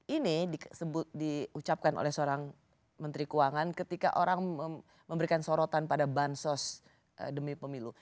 ini diucapkan oleh seorang menteri keuangan ketika orang memberikan sorotan pada bansos demi pemilu